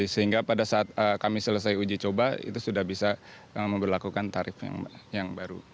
sehingga pada saat kami selesai uji coba itu sudah bisa memperlakukan tarif yang baru